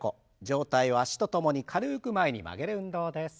上体を脚と共に軽く前に曲げる運動です。